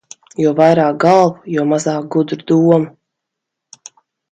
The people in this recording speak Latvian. Jo vairāk galvu, jo mazāk gudru domu.